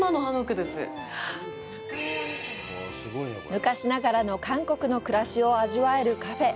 昔ながらの韓国の暮らしを味わえるカフェ。